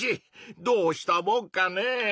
どうしたもんかねぇ。